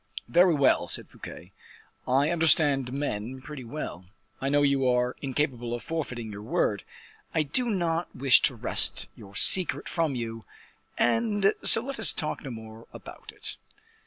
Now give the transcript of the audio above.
"Very well," said Fouquet; "I understand men pretty well; I know you are incapable of forfeiting your word; I do not wish to wrest your secret from you, and so let us talk no more about it."